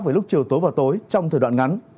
với lúc chiều tối và tối trong thời đoạn ngắn